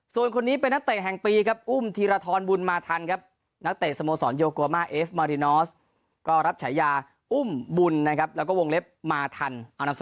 ส่วนคนนี้เป็นนักเต่นแห่งปีอุ้มธีรธรรมบุญมาทัน